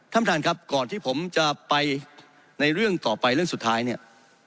ท่านประธานครับก่อนที่ผมจะไปในเรื่องต่อไปเรื่องสุดท้ายเนี่ย